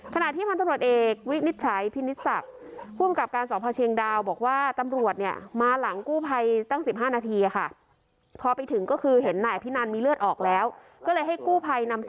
ขณะที่พันธุรกิจเอกวินิจฉัยพินิจศักดิ์